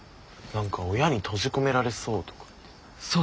何か親に閉じ込められそうとかって。